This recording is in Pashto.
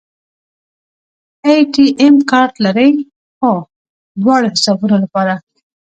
اے ټي ایم کارت لرئ؟ هو، دواړو حسابونو لپاره